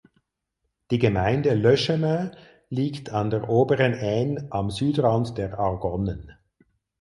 Die Gemeinde Le Chemin liegt an der oberen Aisne am Südrand der Argonnen.